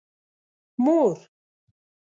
مور